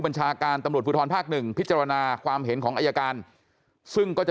บัญชาการตำรวจภูทรภาคหนึ่งพิจารณาความเห็นของอายการซึ่งก็จะ